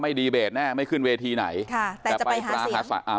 ไม่ดีเบตแน่ไม่ขึ้นเวทีไหนค่ะแต่จะไปหาเสียงอ่า